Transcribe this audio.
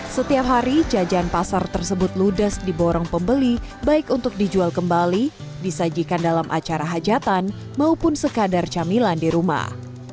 setiap hari jajan pasar tersebut ludes di borong pembeli baik untuk dijual kembali disajikan dalam acara hajatan maupun sekadar camilan di rumah